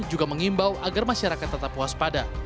juga mengimbau agar masyarakat tetap waspada